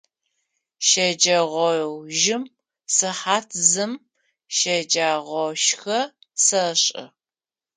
Щэджэгъоужым сыхьат зым щэджагъошхэ сэшӏы.